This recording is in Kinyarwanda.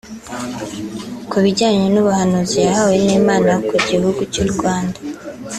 Ku bijyanye n’ubuhanuzi yahawe n’Imana ku gihugu cy’u Rwanda